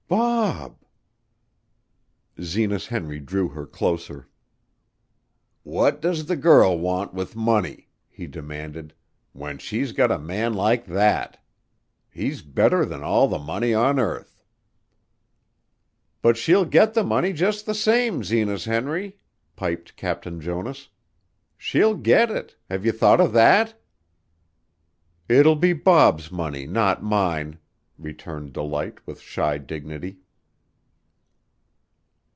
"Bob!" Zenas Henry drew her closer. "What does the girl want with money," he demanded, "when she's got a man like that? He's better than all the money on earth." "But she'll get the money just the same, Zenas Henry," piped Captain Jonas. "She'll get it. Have you thought of that?" "It will be Bob's money, not mine," returned Delight with shy dignity.